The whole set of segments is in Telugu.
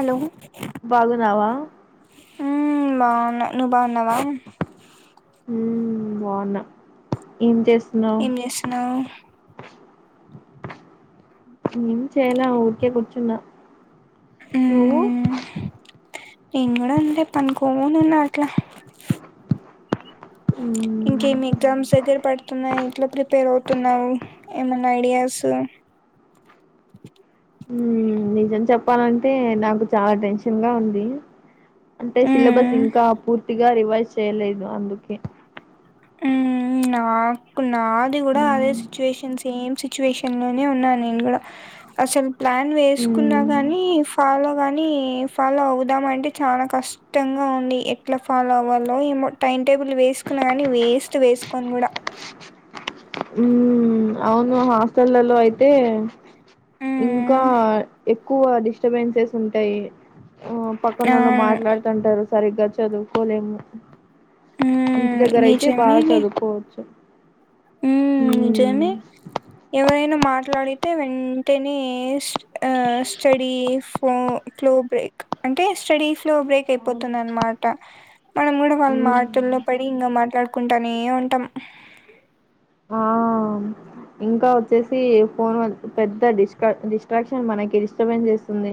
హలో బాగున్నవా హు బాగున్నా నువ్వు బాగున్నావా హు బాగున్నా ఏం చేస్ ఏం చేస్తున్నావ్ ఏం చేయలే ఊరికే కుర్చున్నా నువ్వు మ్మ్ నేను కూడా అంతే పండుకొని ఉన్నా అట్లా మ్మ్ ఇంకేమి ఎగ్జామ్స్ దగ్గర పడుతున్నాయి ఎట్లా ప్రిపేర్ అవుతున్నావు ఏమన్నా ఐడియాస్ మ్మ్ నిజం చెప్పాలంటే నాకు చాలా టెన్షన్ గా ఉంది అంటే సిలబస్ మ్మ్ ఇంకా పూర్తి గా రివైజ్ చేయలేదు అందుకే ఆ కుం నాది కూడా అదే మ్మ్ సిచువేషన్స్ సేమ్ సిచ్యువేషన్ లోనే ఉన్నా నేను కూడా అసలు ప్లాన్ వేసుకున్నా మ్మ్ గాని ఫాలో గానీ ఫాలో అవుదాం అంటే చాలా కష్టంగా ఉంది ఎట్లా ఫాలో అవ్వాలో ఏమో టైం టేబుల్ వేసుకున్న కా నీ వేస్ట్ వేసుకొని కూడా హుమ్మ్ అవును హాస్టల్లలో అయితే ఇంకా మ్మ్ ఎక్కువ డిస్టర్బెన్సెస్ ఉంటాయి ఆ పక్కనోళ్ళు అవును మాట్లాడుతంటారు సరిగ్గా చదువుకోలేము ఇంటి హ్మ్ దగ్గర అయితే బా నిజమేలే చదువుకోవచ్చు హ్మ్ నిజమే ఎవరైనా మా మాట్లాడితే వెంటనే ఆ స్టడీ ఫో ఫ్లో బ్రేక్ అంటే స్టడీ ఫ్లో బ్రేక్ అవును అయిపోతుందన్నమాట మనం కూడా వాళ్ళ మాటల్లో పడి ఇంకా మాట్లాడు కుంటానే ఉంటాం ఆ ఇంకా వచ్చేసి ఫోన్ పెద్ద డిస్ట్రా డిస్ట్రాక్షన్ మనకి డిస్టర్బెన్స్ చేస్తుంది.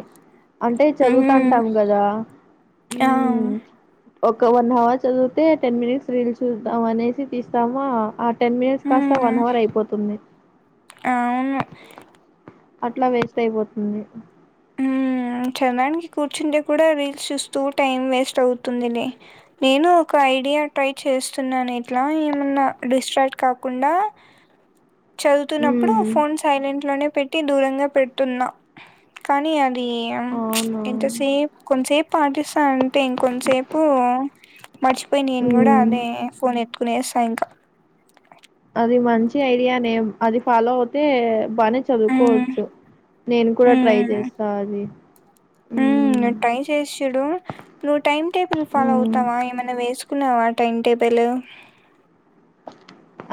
అంటే హ్మ్ చదువుతాంటాం కదా ఆ హ్మ్ ఒక వన్ అవర్ చదివితే టెన్ మినిట్స్ రీల్ చూద్దాం అనేసి తీస్తామా ఆ టెన్ మినిట్ కాస్త వన్ హ్మ్ అవర్ అయిపోతుంది అ అట్లా వేస్ట్ అయిపోతుంది హ్మ్ చదవానికి కూర్చుంటే కూడా రీల్స్ చూస్తూ టైం వేస్ట్ అవుతుందిలే నేను ఒక ఐడియా ట్రై చేస్తున్నాను ఇట్లా ఏమన్నా డిస్ట్రాక్ట్ కాకుండా చదువుతున్నప్పుడు మ్మ్ ఫోన్ సైలెంట్ లోనే పెట్ ట్టి దూరంగా పెడుతున్నా కానీ అం య ప్చ్ అవునా ఎంత సేపు కొంసేపు పాటిస్తా అంతే ఇంకొంసేపు మర్చిపోయి నేను కూడా మ్మ్ అదే ఫోన్ ఎత్ పనేసా ఇంక అది మంచి ఐడియా నే అది ఫాలో అవుతే బానే ఉమ్ చదువుకోవచ్చు నేను కూడా ట్రై చేస్తా అది హ్మ్ ఉమ్ నువ్ ట్రై చేసి చూడు నువ్వు టైమ్ టేబుల్ ఫాలో ఉమ్ అవుతావా ఏమైన్నా వేసు కున్నావా టైం టేబులు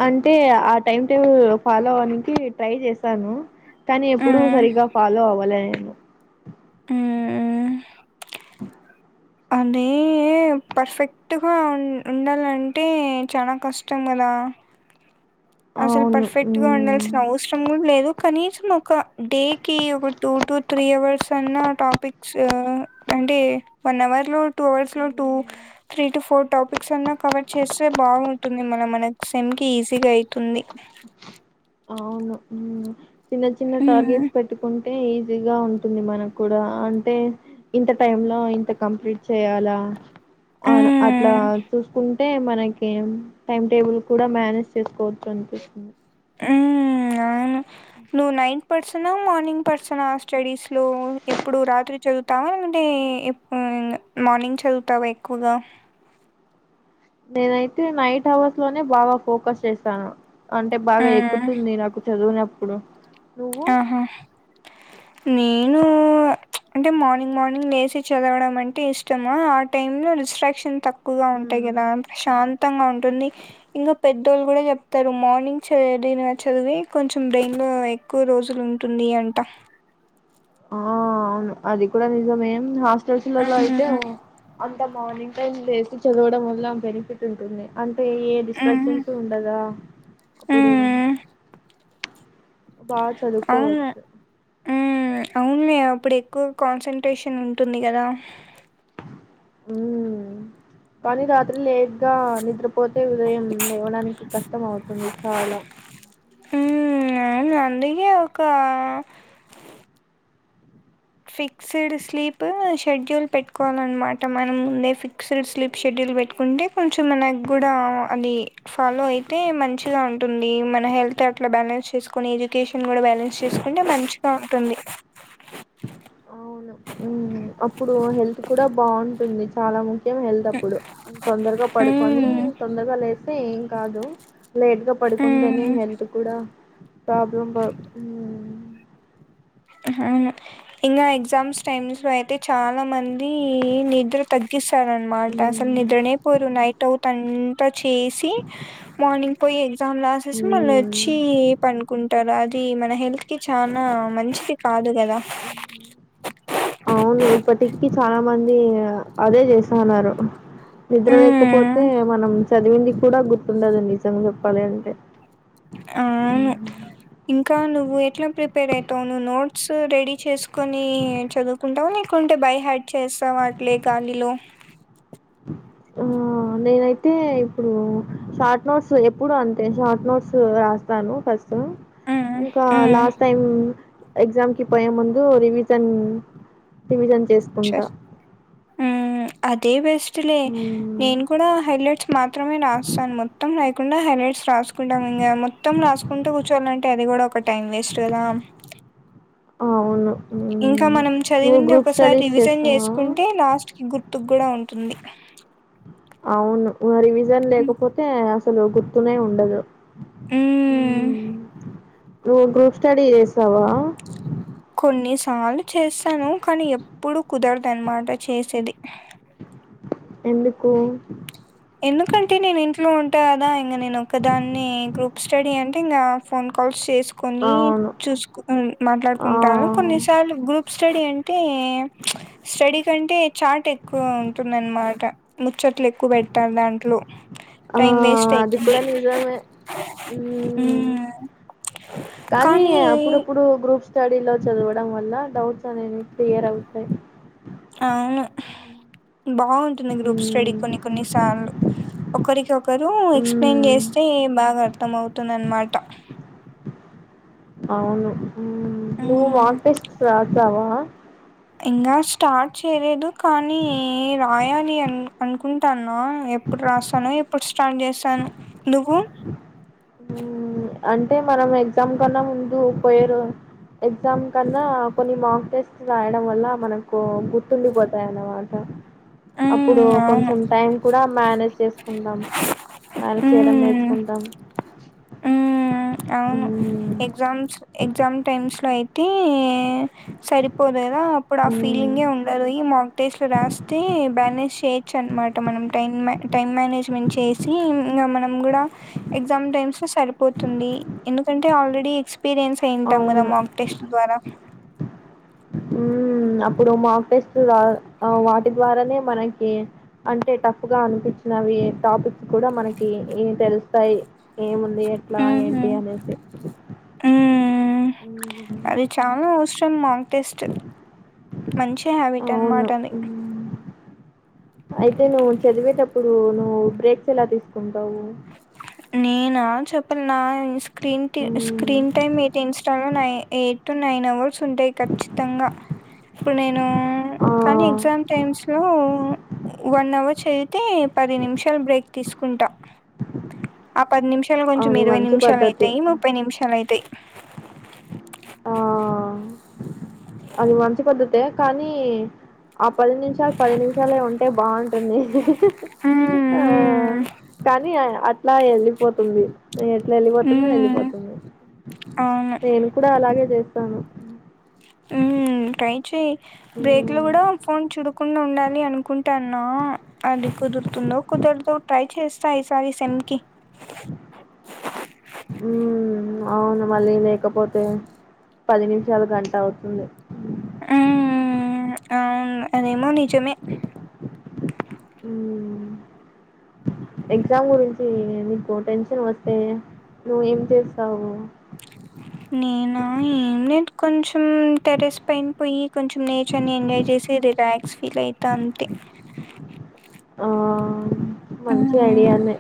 అంటే ఆ టైమ్ టేబుల్ ఫాలో అవ్వనికి ట్రై చేసాను కానీ ఎప్పుడూ ఉమ్ సరిగా ఫాలో అవ్వలే లో హ్మ్ అదే పర్ఫెక్ట్గా ఉ ఉండాలంటే చాలా కష్టం కదా అసలు అవును పర్ఫెక్ట్ గా ఉమ్. ఉండాల్సిన అవసరం కూడా లేదు కనీసం ఒక డేకి ఒక టూ టు త్రీ అవర్స్ అన్న టాపిక్స్ అంటే వన్ అవర్లో టూ అవర్స్ లో two um, three to four topics అన్నా కవర్ చేస్తే బావుంటుంది మన మనకి సెమ్ కి ఈజీగా అయి తుంది అవును హ్మ్ చిన్న చిన్న హ్మ్. టార్గెట్స్ పెట్టుకుం అంటే ఈజీగా ఉంటుంది మనకు కూడా అంటే ఇంత టైమ్ లో ఇంత కంప్లీట్ చేయాలా అవును అట్లా హ్మ్. చూసుకుంట అంటే మనకి టైమ్ టేబుల్ కూడా మేనేజ్ చేసుకోవచ్చు అనిపిస్తుంది హమ్ అవును నువ్వు నైట్ పర్సనా మార్నింగ్ పర్సనా స్టడీస్లో ఎప్పుడు రాత్రి చదువుతావా లేంటే మార్నింగ్ చదువుతావా ఎక్కువగా నేనైతే నైట్ హవర్స్ లోనే బాగా ఫోకస్ చేశాను అంటే బాగా హ్మ్. ఎక్కుతుంది నాకు చదువినపుడు ఇప్పుడు ఆహా నేను అంటే మార్నింగ్ మార్నింగ్ లేచ చదవడం అంటే ఇష్టమా ఆ టైమ్ లో డిస్ట్రాక్షన్ తక్కువ ఎక్కువగా ఉంటాయి కదా ప్రశాంతి త్తంగా ఉంటుంది ఇంకా పెద్దోళ్ళు కూడా చెప్తారు మార్నింగ్ చదివిన చదివి కొంచెం బ్రెయిన్ లో ఎక్కువ రోజులుంటుంది అంట ఆ అవును అది కూడా నిజమేం హ సులలో అయితే మ్మ్ అంతా మార్నింగ్ చేసి చదవడం వల్ల బెనిఫిట్ ఉంటుంది అ ఏది మ్మ్ డిస్ట్రాక్షన్స్ ఉండదా అప్పుడు మ్మ్ బా చదుకో వచ్చు హమ్ అవును అప్పుడు ఎక్కువగా కాన్సన్ట్రేషన్ ఉంటుంది కదా హమ్ కానీ రాత్రి లేగా నిద్ర పోతే ఉదయం ఇవ్వడానికి కష్టం అవుతుంది చాలా హమ్ అవును అందుకే ఒక ఫిక్స్డ్ స్లీప్ షెడ్యూల్ పెట్టుకోవాలన్నమాట మనం ముందే ఫిక్స్డ్ స్లీప్ షెడ్యూల్ పెట్టుకుంటే కొంచెం మనకు కూడా అది ఫాలో అయితే మంచిగా ఉంటుంది మన హెల్త్ అట్లా బ్యాలెన్స్ చేసుకొని ఎడ్యుకేషన్ కూడా బ్యాలెన్స్ చేసుకుంటే మంచిగా ఉంటుంది హ అవును అప్పుడు హెల్త్ కూడా బాగుంటుంది చాలా ముఖ వెతప్పుడు తొందరగా పడుకొని మ్మ్ తొందరగా లే అస్తే ఏం కాదు లేట్ గా పడుకుంటేనే మ్మ్ హెల్త్ కూడా తపబో హమ్ ఆవును ఇంకా ఎగ్జామ్స్ టైమ్స్ లో అయితే చాలా మంది నిద్ర తగ్గిస్త మాట అసలు హ్మ్. నిద్రనే పోయిరు నైట్ ఔట్ తన్తో చేసి మార్నింగ్ పోయి ఎగ్జామ్ రాసేసి మళ్ళ హ్మ్. వచ్చి పనుకుంటారు అది మన హెల్త్ కి చనా మంచిది కాదుగా హమ్ అవును ఎయిట్ థర్టీ కీ ఫామ్ ఇంక అదే చేస్తాన్నారు నిద్ర లేకపోతే ఉమ్ మనం చదివింది కూడా గుర్తుండదండి నిజం చెప్పాలి అంటే అవును హ్మ్. ఇంకా నువ్వు ఎట్లా ప్రిప్ పేర్ ఐతావ్ నువ్వు నోట్స్ రెడీ చేసుకొని చదువుకుంటావు లేకుంటే బై హాడ్ చేస్తావా అట్లే గాలిలో ఊ ఆ నేనైతే ఇప్పుడు షార్ట్ నోట్స్ ఎప్పుడు అంతే షార్ట్ నోట్స్ రాస్తాను ఫస్ స్ ఉమ్ ఇంకా ఉమ్ లాస్ట్ టైం ఎక్జామ్ కి పోయే ముందు రివిజన్ రివిజన్ చేసుకుంటా. చేస్ ఊమ్మ్ అదే బెస్ స్ట్ లే హ్మ్. నేను కూడా హైలైట్ మాత్రమే రాస్తాను మొత్తం రాయకుండా హెలెట్స్ రాసుకుంటాం ఇంకా మొత్తం రాసుకుంటూ కూర్చోనంటే అది కూడా ఒక టైం వేస్ట్ కదా ఆ అవును ఇంకా హ్మ్. మనం నువ్వు చదివింది గ్రూప్ ఒకసారి స్టడీస్ రివిజన్ చేస్తావా? చేసుకుంటే లాస్ట్ కి గుర్తుకు కూడా ఉంటుంది అవును ఊ రివి జన్ లేకపోతే సలు గుర్తునే ఉండదు మ్మ్ ఊమ్మ్ నువ్ గ్రూప్ స్టడీ చేసావా కొన్నిసార్లు చేస్తాను కానీ ఎప్పుడు కుదరదనమాట చేసేది ఎందుకు ఎందుకంటే నేను ఇంట్లో ఉన్ టాదా ఇంక నేను ఒక దాన్ని గ్రూప్ స్టడీ అన్ టింగ ఫోన్ కాల్స్ చేస్ కొని అవును. చూసుకు ఉన్ ఆ! మాట్లాడుకుంటాను కొన్నిసార్లు గ్రూప్ [unintelligible] స్టడీ అంటే స్టడీ కంటే చాట్ ఎక్కువ ఉంటుంది అనమాట చ్చట్లెక్కువ్ పెట్ టాం దాంట్లో ఆ! టైం వేస్ట్ అది అయితుంది కూడా నిజమే. హ్మ్. ఉమ్మ్ కానీ స్టడీ లో చదవడం వల్ల డౌట్స్ అనేవి క్లియరవుతాయి బావుంటుంది గ్రూప్ స్టడీ కొన్ని కొన్ని సార్లు ఒకరికొకరు ఎక్స్ప్లెయిన్ మ్మ్ చేస్తే బాగా అర్థం అవుతుంది అనమాట అవును నువ్ మాక్ టెస్ట్స్ రాసావా ఇంగా స్టార్ట్ చెయ్ లేదు కానీ రాయాలి అన్ అనుకుంటాను ఆ ఎప్పుడు రాసాను ఎప్పుడు స్టార్ట్ చేస్తాను ఎందుకు మ్ అంటే మనం ఎగ్జామ్ కన్నా ముందు పోయే రో, ఎగ్జామ్ కన్నా కొన్ని మాక్ టెస్ట్ రాయడం వల్ల మనకు గుర్తుండిపోతాయిన్నమాట అప్పుడు మ్మ్, అవును కొంచెం టైం కూడా మేనేజ్ చేసుకుంటాం, మేనేజ్ చేయడం మ్మ్. నేర్చుకుంటాం. హ్మ్ అవును మ్మ్ ఎగ్జామ్స్ ఎగ్జామ్ టైమ్స్ లో అయి తె సరిపో లేదా అప్పుడు ఆ మ్మ్ ఫీలింగ్హె ఉండదు ఇ మాకటేస్ట్ లో రాస్తే బ్యానే చేయొచ్చు అనమాట, మనం టై టైం మేనేజ్మెంట్ చేసి, ఇంగ మనం కూడా ఎగ్జామ్ టైమ్స్లో సరిపోత్ తుంది ఎందుకంటే ఆల్రెడీ ఎక్స్ ఎక్స్పీరియన్స్ అయింటాం కదా అవును మాక్ టెస్ట్ ద్వారా మ్ అప్పుడు మాక్టేస్ట్ రా ఆ వాటి ద్వారానే మనకి, అంటే టఫ్గా అనిపించినవి, టాపిక్స్ కూడా మనకి ఏ తెలుస్తాయి ఏముంది అది ఎట్లా ఏంటి హ్మ్ అనేసి న్ మాంగ్ టెస్ట్ మంచి హ్యాబిట్ అనమాట అవును. అది హ్మ్. అయితే నువ్వు చదివేటప్పుడు నువ్వు బ్రేక్స్ ఎలా తీసుకుం నేనా చెప్ పన్నా స్క్రీన్ కి హ్మ్. స్క్రీన్ టైమ్ ఎయితే ఇన్స్టాలో నై ఏ టూ నైన్ అవర్స్ ఉంటాయి ఖచ్చితంగా ఇప్పుడు నేను ఆ! కానీ ఎగ్జామ్ టైమ్స్ లో వన్ అవర్ చేదితే పది నిమిషాలు బ్రేక్ తీసుకుంటా అ పది నిమిషాలు కొంచెం అది ఇరవై మంచి నిమిషాలు పద్ధతి. అవుతాయి, ముప్పై నిమిషాలు అవుతాయి. ఆ! అది మంచి పద్ధతే కానీ ఆ పది నిమిషాలు పది నిమిషాలే ఉంటే బాగుంటుంది ఆ మ్మ్ కానీ ఇట్లా వెళ్ళపోతుంది ఎట్లా వెళ్ళిపోతుందో మ్మ్ వెళ్ళిపోతుంది అవును నేను అలాగే చేస్తాను ఉ టై క్షి బ్రేక్ లో ఉమ్ కూడా ఫోన్ చూడు తప్పకుండా ఉండాలి అనుకుంటానా, అది కుదురుతుందో కుదరదు ట్రై చేస్తా ఈసారి సెమికి ఉ అవును మళ్ళీ లేకపోతే పది నిమిషాలు గంట అవుతుంది మ్ అవును అ దేమో నిజమే ఎగ్జామ్ గురించి నీకు టెన్షన్ వస్తే నువ్వు ఏం చేస్తావు నేనా ఏం లేదు కొంచెం టెరస్ పైన పోయి కొంచెం నేచర్ ని ఎంజాయ్ చేసి రిలాక్స్ ఫీల్ అయితా అంతే ఆ మంచి హ్మ్. ఐడియాన్నే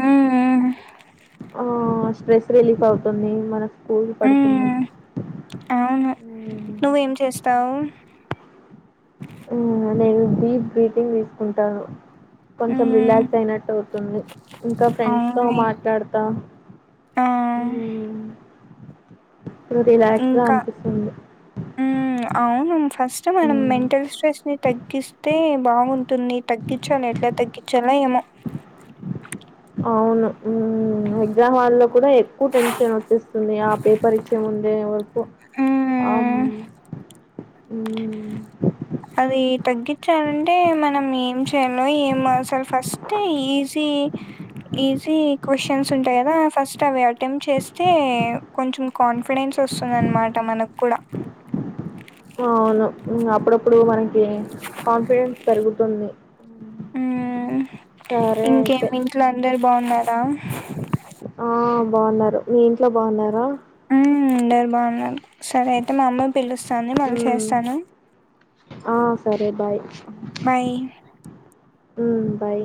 హ్మ్. హ్మ్. ఆ స్ట్రెస్ రిలీఫ్ అవుతుంది మనకు కూల్ హ పడుతుంది అవును మ్మ్. నువ్వేం చేస్తావు మ్ నేను డీప్ బ్రీతింగ్ తీసుకుంటాను. కొంచెం హ్మ్. రిలాక్స్ అయినట్టు అవుతుంది. ఇంకా ఫ్రెండ్స్ తో అవునులే. మాట్లాడతా ఆ! ఇప్పుడు రిలాక్స్ గా ఇంకా అనిపిస్తుంది మ్ అవును ఫస్ట్ మనం మ్మ్. మెంటల్ స్ట్రెస్ ని తగ్గిస్తే ఏ బాగుంది. న్ని తగ్గించాలి ఎట్లా తగ్గించాలో ఏమో అవును ఎగ్జామ్ హాల్లో కూడా ఎక్కువ టెన్షన్ వచ్చేస్తుంది ఆ పేపర్ పరిచయం ఉందవో అమ్ హ్మ్. ఉమ్ అది తగ్గించాలంటే మనం ఏం చేయాలో ఏంమో అసలు ఫస్ట్ ఈజీ ఈజీ క్వ్చన్స్ ఉంటాయి కదా ఫస్ట్ అవి అటెంప్ట్ చేస్తే కొంచెం కాన్ఫిడెన్స్ వస్తుందనమాట మనకు కుడ అవును అప్పుడప్పుడు మనక్ కాన్ఫిడెన్స్ పెరుగుతుంది మ్మ్. సరే అయితే ఇంకేం ఇంట్లో అందరు బాగున్నారా ఆ బాగున్నారు మీ ఇంట్లో బాగున్నారా మ్ అందరు బాగున్నారు సరే అయితే మా అమ్మ పిలుస్తంది మళ్ళీ మ్మ్ చేస్తాను ఆ సరే బాయ్ బాయ్ ఉమ్ బాయ్